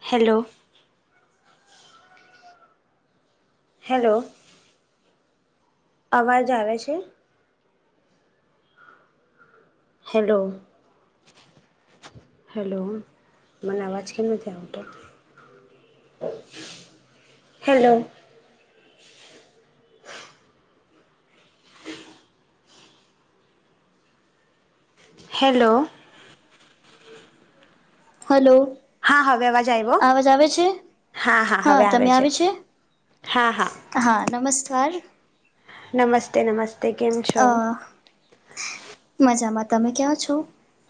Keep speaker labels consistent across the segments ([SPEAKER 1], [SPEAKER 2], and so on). [SPEAKER 1] Hello. Hello અવાજ આવે છે? હેલો. હેલો મને આવાજ કેમ નથી આવતો? હેલો. Hello
[SPEAKER 2] hello.
[SPEAKER 1] હા હવે અવાજ આવ્યો?
[SPEAKER 2] આવાજ આવે છે? હા તમે આવે છે?
[SPEAKER 1] હા હા.
[SPEAKER 2] હા નમસ્કાર.
[SPEAKER 1] નમસ્તે નમસ્તે કેમ છો?
[SPEAKER 2] અ મજામાં. તમે ક્યા છો?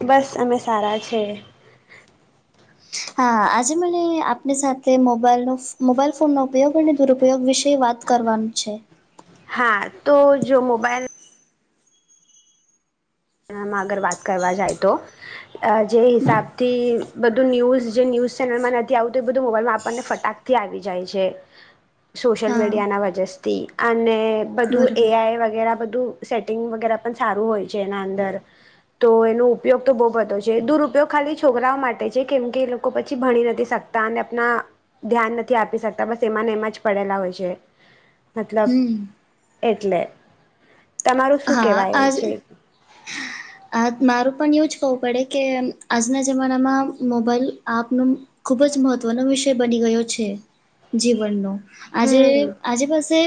[SPEAKER 1] બસ અમે સારા છે.
[SPEAKER 2] હા આજે મને આપની સાથે મોબાઈલનો ફ મોબાઈલ ફોનનો ઉપયોગ અને દુરુપયોગ વિશે વાત કરવાનું છે.
[SPEAKER 1] હા તો જો મોબાઈલ એમ આગર વાત કરવા જાય તો જે હિસાબથી બધું ન્યૂઝ જે ન્યૂઝ ચેનલમાં નથી આવતું એ બધું મોબાઈલમાં આપણને ફટાક થી આવી જાય છે. સોશિયલ
[SPEAKER 2] હા
[SPEAKER 1] મીડિયાના વજસથી અને બધું
[SPEAKER 2] બરોબર
[SPEAKER 1] એઆઈ વગેરા બધું. સેટિંગ વગેરા પણ સારું હોય છે એના અંદર. તો એનો ઉપયોગ તો બો બધો છે. દુરુપયોગ ખાલી છોકરાઓ માટે છે કેમ કે એ લોકો પછી ભણી નથી શક તા ને આપના ધ્યાન નથી આપી શકતા બસ એમાંને એમાં જ પડેલા હોય છે. મતલબ
[SPEAKER 2] હમ
[SPEAKER 1] એટલે તમારું શું
[SPEAKER 2] હા
[SPEAKER 1] કહેવાય છે?
[SPEAKER 2] [unintelligible] આજ મારું પણ એવું જ કવું પડે કે આજના જમાનામાં મોબાઈલ આપનું ખુબ જ મહત્વનો વિષય બની ગયો છે જીવનનો. આજે
[SPEAKER 1] હમ
[SPEAKER 2] આજે પાસે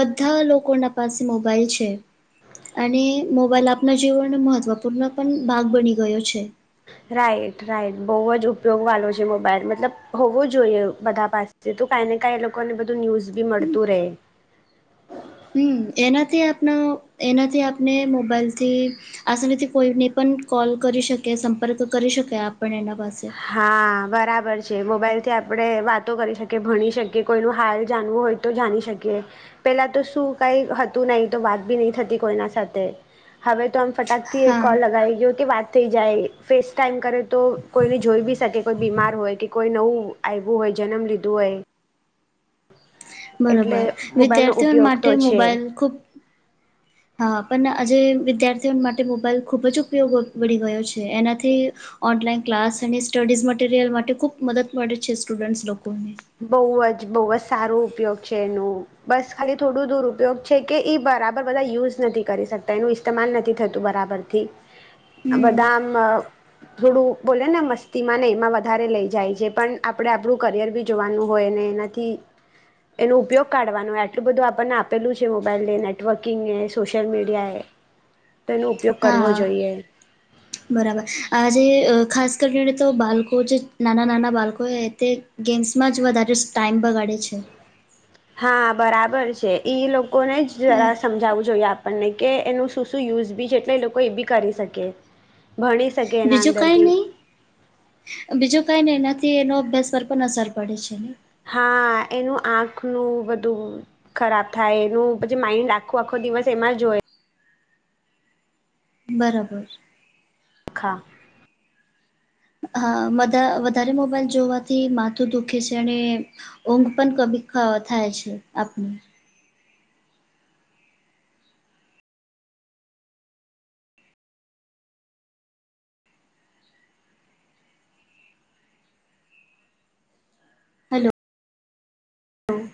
[SPEAKER 2] બધા લોકોના પાસે મોબાઈલ છે. અને મોબાઈલ આપનાં જીવનનો મહત્વપૂર્ણ પણ ભાગ બની ગયો છે.
[SPEAKER 1] Right right. બહુ જ ઉપયોગ વાલો છે મોબાઈલ. મતલબ હોવો જોઈએ બધા પાસ તે તો કાઈ ને કાઈ એ લોકોને બધું ન્યુઝ બી મળતું રે.
[SPEAKER 2] હમ્મ એનાથી આપનો એનાથી આપને મોબાઈલથી આસાનીથી કોઈને પણ કોલ કરી શકે, સંપર્ક કરી શકે આપણ એના પાસે.
[SPEAKER 1] હા બરાબર છે. મોબાઈલથી આપણે વાતો કરી શકીએ, ભણી શકીએ, કોઈનું હાલ જાણવું હોય તો જાણી શકીએ. પેલા તો શું કાઈ હતું નહી તો વાત બી ની થતી કોઈના સાથે. હવે તો આમ ફટાકથી એક
[SPEAKER 2] હા
[SPEAKER 1] કોલ લગાવી ગયો કે વાત થઈ જાય. ફેસ ટાઈમ કરે તો કોઈને જોઈ બી શકે કોઈ બીમાર હોય કે, કોઈ નવું આયવું હોય જન્મ લીધું હોય.
[SPEAKER 2] બરાબર.
[SPEAKER 1] એટલે મોબાઈલનો
[SPEAKER 2] વિદ્યાર્થીઓ
[SPEAKER 1] ઉપયોગ
[SPEAKER 2] માટે
[SPEAKER 1] તો છે
[SPEAKER 2] મોબાઈલ ખુબ હા પણ આજે વિદ્યાર્થીઓ માટે મોબાઈલ ખૂબ જ ઉપયોગ બની ગયો છે. એનાથી ઓનલાઈન ક્લાસ અને સ્ટડીઝ મટીરિયલ માટે ખુબ મદદ મળે છે સ્ટુડન્ટસ લોકોને
[SPEAKER 1] બહુ જ, બહુ જ સારું ઉપયોગ છે એનું બસ ખાલી થોડું દુરુપયોગ છે કે, એ બરાબર બધા યુઝ નથી કરી શકતા એનું ઈશ તમાલ નથી થતું બરાબરથી,
[SPEAKER 2] હમ
[SPEAKER 1] બધા આમ અ થોડું બોલે ને મસ્તીમાં ને એમાં વધારે લઈ જાય છે, પણ આપડે આપણું કરિયર બી. જોવાનું હોય ને એનાથી એનો ઉપયોગ કાઢવાનો, આટલું બધું આપણને આપેલું છે, મોબાઈલને નેટવર્કિંગને સોશિયલ મીડિયા એ તેનું
[SPEAKER 2] હા બરાબર, આ જેે ખાસ કરીને તો બાળકો જે નાના-નાના બાળકો એ તે ગેમ્સમાં જ વધારે જ ટાઈમ બગાડે છે.
[SPEAKER 1] હા, બરાબર છે ઈ લોકોને જ
[SPEAKER 2] હા
[SPEAKER 1] જરા સમજાવવું જોઈએ, આપણને કે એનું શું યુઝ બી છે એટલે એ લોકો એ બી કરી શકે. ભણી શકે એના
[SPEAKER 2] બીજું કઈ
[SPEAKER 1] અંદરથી
[SPEAKER 2] નઈ બીજું કઈ નઈ એનાથી એનો અભ્યાસ પર પણ અસર પડે છે ને
[SPEAKER 1] હા, એનું આંખનું બધું ખરાબ થાય એનું, પછી માઇન્ડ આખો-આખો દિવસ એમાં જ હોય.
[SPEAKER 2] બરાબર છે.
[SPEAKER 1] ખા
[SPEAKER 2] હા, વધા વધારે મોબાઈલ જોવાથી માથું દુખે છે અને ઊંઘ પણ [unintelligible] થાય છે, આપને હેલો, હા